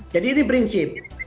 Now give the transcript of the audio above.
jadi ini prinsip